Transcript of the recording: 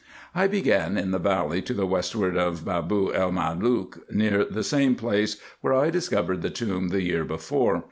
I began in the valley to the westward of Beban el Malook, near the same place where I discovered the tomb the year before.